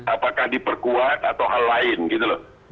apakah diperkuat atau hal lain gitu loh